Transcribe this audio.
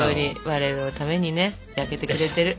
我々のためにね焼けてくれてる。